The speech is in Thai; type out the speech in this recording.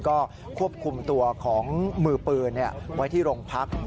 ก็ควบคุมตัวของมือปืนไว้ที่โรงพัก